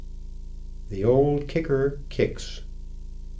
THE OLD KICKER KICKS.